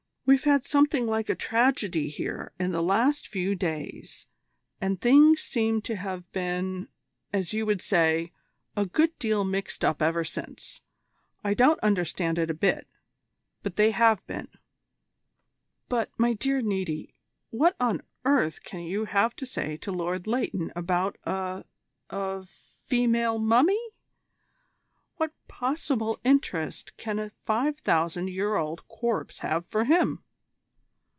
We've had something like a tragedy here in the last few days, and things seem to have been, as you would say, a good deal mixed up ever since. I don't understand it a bit; but they have been." "But, my dear Niti, what on earth can you have to say to Lord Leighton about a a female mummy? What possible interest can a five thousand year old corpse have for him?"